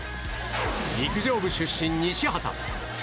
陸上部出身、西畑。